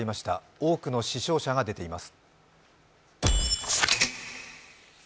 多くの死傷者が出ています。